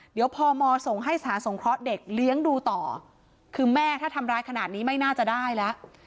เดี๋ยวพมส่งให้สถานสงเคราะห์เด็กเลี้ยงดูต่อคือแม่ถ้าทำร้ายขนาดนี้ไม่น่าจะได้แล้ว